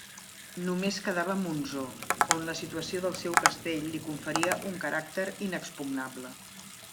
Només quedava Montsó, on la situació del seu castell li conferia un caràcter inexpugnable.